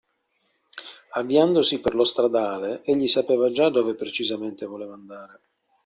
Avviandosi per lo stradale egli sapeva già dove precisamente voleva andare.